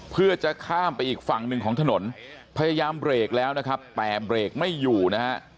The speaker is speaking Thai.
เพื่อจะข้ามไปอีกฝั่งหนึ่งของถนนพยายามเบรกแล้วนะครับแต่เบรกไม่อยู่นะฮะ